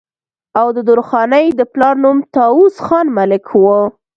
او د درخانۍ د پلار نوم طاوس خان ملک وو